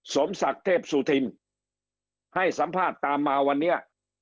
สมศักดิ์เทพสุธินให้สัมภาษณ์ตามมาวันนี้